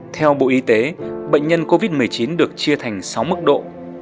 theo bộ y tế bệnh nhân covid một mươi chín được chia thành sáu mức độ